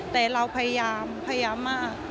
แต่เราพยายามพยายามมาก